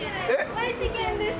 愛知県です！